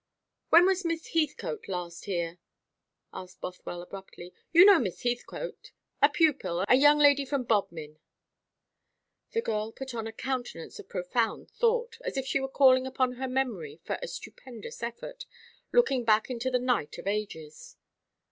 "When was Miss Heathcote last here?" asked Bothwell abruptly. "You know Miss Heathcote a pupil a young lady from Bodmin?" The girl put on a countenance of profound thought, as if she were calling upon her memory for a stupendous effort, looking back into the night of ages.